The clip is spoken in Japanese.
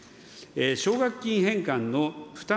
奨学金返還の負担